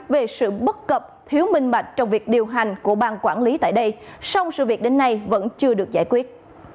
về sự bất cập thiếu minh bạch trong việc điều hành của bang quản lý tại đây song sự việc đến nay vẫn chưa được giải quyết